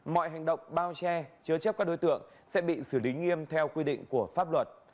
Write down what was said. mọi hành động bao che chứa chấp các đối tượng sẽ bị xử lý nghiêm theo quy định của pháp luật